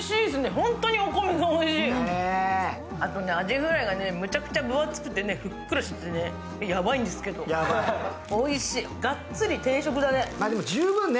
ホントにお米がおいしいあとねアジフライがねむちゃくちゃ分厚くてねふっくらしててねやばいんですけどおいしいがっつり定食だね十分ね